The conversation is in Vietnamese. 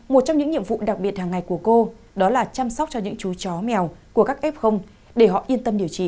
một trong những nhiệm vụ đặc biệt hàng ngày của cô đó là chăm sóc cho những chú chó mèo của các f để họ yên tâm điều trị